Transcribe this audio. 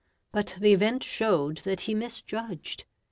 But the event showed that he misjudged.